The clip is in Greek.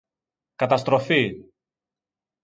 Καταστροφή!